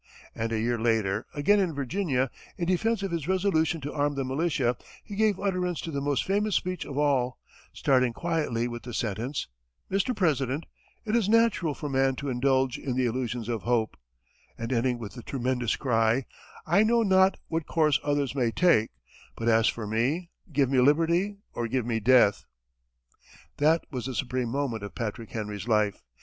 And a year later, again in Virginia, in defense of his resolution to arm the militia, he gave utterance to the most famous speech of all, starting quietly with the sentence, "Mr. President, it is natural for man to indulge in the illusions of hope," and ending with the tremendous cry: "I know not what course others may take, but as for me, give me liberty, or give me death!" That was the supreme moment of Patrick Henry's life.